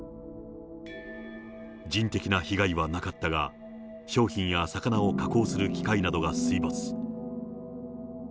人的な被害はなかったが、商品や魚を加工する機械などが水没。